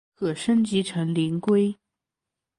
可升级成为灵龟。